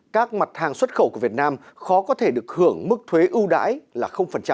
các mặt hàng xuất khẩu của việt nam khó có thể được hưởng mức thuế ưu đãi là